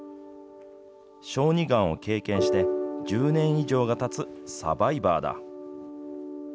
小児がんを経験して、１０年以上がたつサバイバーだ。